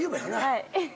はい。